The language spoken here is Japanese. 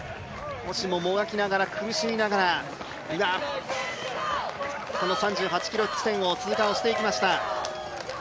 星ももがきながら、苦しみながら今この３８ｋｍ地点を通過していきました。